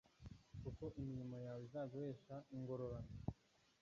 kuko imirimo yawe izaguhesha ingororano